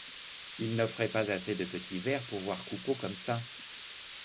Ils n'offraient pas assez de petits verres pour voir Coupeau comme ça.